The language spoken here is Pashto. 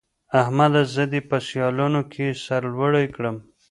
احمده! زه دې په سيالانو کې سر لوړی کړم.